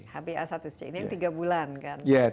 hba satu c ini yang tiga bulan kan